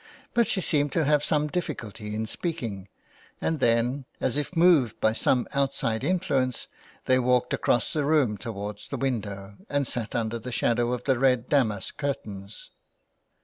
But she seemed to have some difficulty in speaking, and then, as if moved by some outside influence, they walked across the room towards the window and sat under the shadow of the red damask curtains.